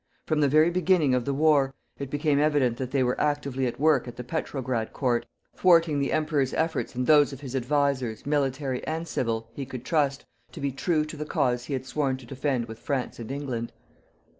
From the very beginning of the war, it became evident that they were actively at work at the Petrograd Court, thwarting the Emperor's efforts and those of his advisers, military and civil, he could trust, to be true to the cause he had sworn to defend with France and England.